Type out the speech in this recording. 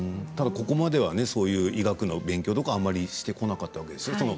ただ、ここまではそういう医学の勉強とかはあんまりしてこなかったわけでしょう？